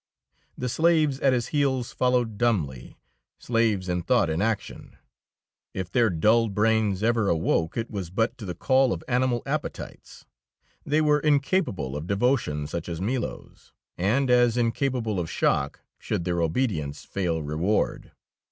The slaves at his heels followed dumbly, slaves in thought and action; if their dulled brains ever awoke, it was but to the call of animal appetites; they were incapable of devotion such as Milo's, and as incapable of shock should their obedience fail reward.